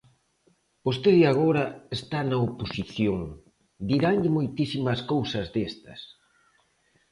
Vostede agora está na oposición, diranlle moitísimas cousas destas.